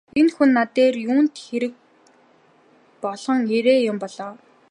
Энэ хүн над дээр юунд хэрэг болгон ирээ юм бол оо!